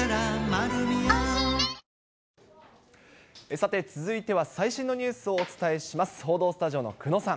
さて、続いては最新のニュースをお伝えします。